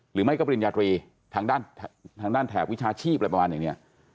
หรือไม่ก็ปริญญาตรีทางด้านทางด้านแถบวิชาชีพอะไรประมาณอย่างนี้